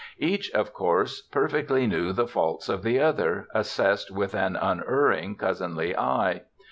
Each, of course, perfectly knew the faults of the other, assessed with an unerring cousinly eye.